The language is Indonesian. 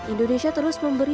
indonesia terus membangun